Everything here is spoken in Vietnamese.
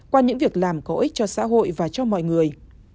qua những việc làm có ích cho xã hội và cho mọi người